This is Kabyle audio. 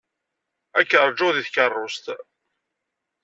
Ad k-ṛjuɣ deg tkeṛṛust.